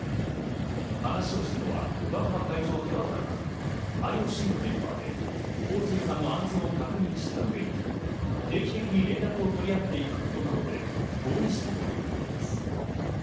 話をしたのはバッハ会長ではなく、ＩＯＣのメンバーでホウ・スイさんの安全を確認した上で、定期的に連絡を取り合っていくことなどで合意したということです。